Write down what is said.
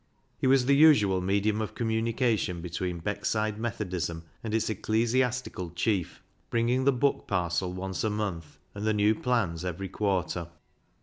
He was the usual medium of communication between Beckside Methodism and its ecclesiastical chief, bringing the book parcel once a month, and the new plans every quarter.